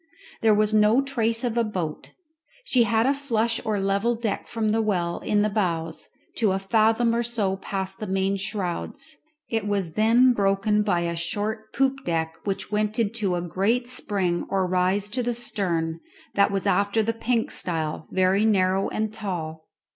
There was no trace of a boat. She had a flush or level deck from the well in the bows to a fathom or so past the main shrouds; it was then broken by a short poop deck, which went in a great spring or rise to the stern, that was after the pink style, very narrow and tall.